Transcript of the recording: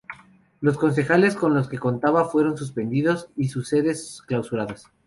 Los concejales con los que contaba fueron suspendidos y sus sedes clausuradas.